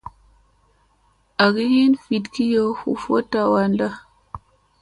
Agi hin vit kiyo hu votta wan da.